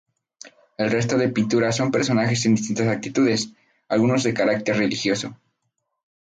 El resto de pinturas son personajes en distintas actitudes, algunos de carácter religioso.